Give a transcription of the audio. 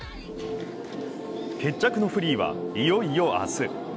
決着のフリーは、いよいよ明日。